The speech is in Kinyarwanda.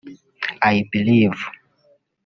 I Believe